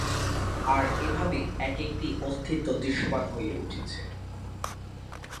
আর এ ভাবেই এক-একটি অস্তিত্ব দৃশ্যমান হয়ে উঠেছে।